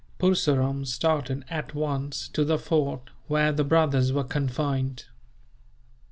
Purseram started, at once, to the fort where the brothers were confined.